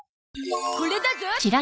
これだゾ！